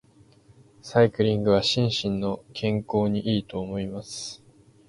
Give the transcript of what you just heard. サイクリングは心身の健康に良いと思います。